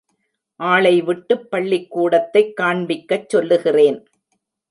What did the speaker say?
ஆளைவிட்டுப் பள்ளிக்கூடத்தைக் காண்பிக்கச் சொல்லுகிறேன்.